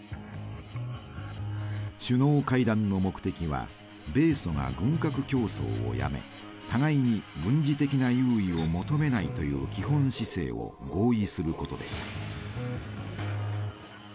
首脳会談の目的は米ソが軍拡競争をやめ互いに軍事的な優位を求めないという基本姿勢を合意することでした。